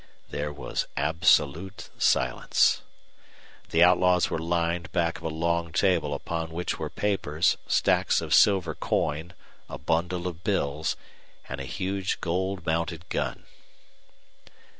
There was absolute silence. The outlaws were lined back of a long table upon which were papers, stacks of silver coin, a bundle of bills, and a huge gold mounted gun.